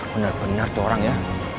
bener bener corang ya